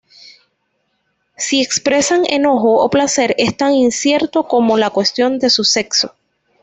Si expresan enojo o placer es tan incierto como la cuestión de su sexo.